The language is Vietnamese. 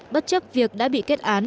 bất chấp việc đã bị kết án